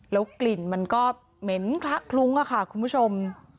กลิ่นมันก็เหม็นคละคลุ้งค่ะคุณผู้ชม